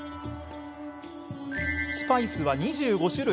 スパイスは２５種類。